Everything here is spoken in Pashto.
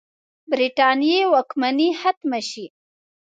برټانیې واکمني ختمه شي.